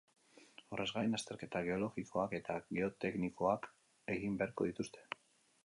Horrez gain, azterketa geologikoak eta geoteknikoak egin beharko dituzte.